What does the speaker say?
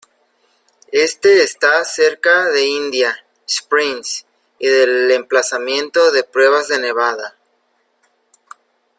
Este está cerca de Indian Springs y del emplazamiento de pruebas de Nevada.